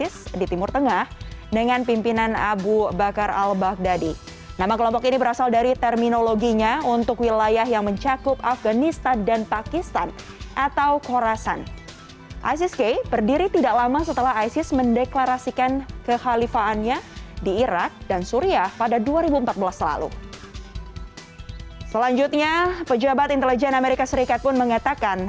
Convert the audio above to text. selanjutnya pejabat intelijen amerika serikat pun mengatakan